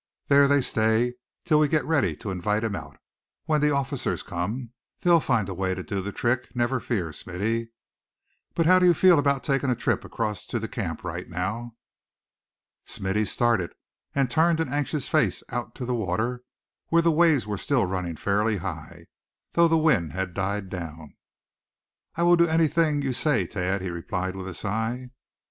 There they stay till we get ready to invite 'em out. When the officers come, they'll find a way to do the trick, never fear, Smithy. But how do you feel about taking a trip across to the camp right now?" Smithy started, and turned an anxious face out to the water, where the waves were still running fairly high, though the wind had died down. "I'm willing to do anything you say, Thad," he replied, with a sigh.